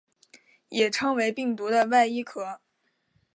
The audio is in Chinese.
也称为病毒的外衣壳。